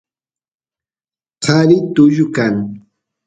qari tullu kan